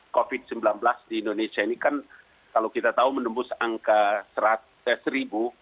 covid sembilan belas di indonesia ini kan kalau kita tahu menembus angka seratus ribu